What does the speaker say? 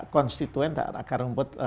konstituen akar rumput